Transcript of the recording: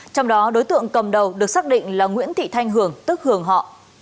trong đó đối tượng cầm đầu được xác định là nguyễn thị thanh hường tức hường họ